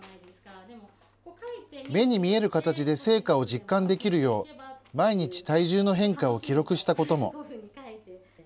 目に見える形で成果を実感できるよう毎日、体重の変化を記録したことも。